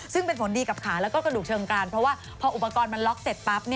ซึ่งเป็นผลดีกับขาแล้วก็กระดูกเชิงการเพราะว่าพออุปกรณ์มันล็อกเสร็จปั๊บ